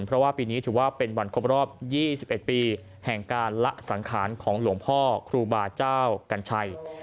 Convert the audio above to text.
เพราะว่าปีนี้ถือว่าเป็นวันครบรอบ๒๑ปีแห่งการละสังขารของหลวงพ่อครูบาเจ้ากัญชัย